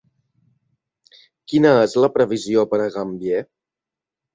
Quina és la previsió per a Gambier?